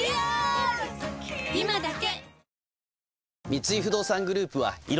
今だけ！